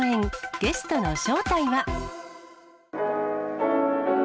ゲストの正体は。